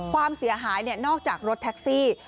ความเสียหายนอกจากรถแท็กซี่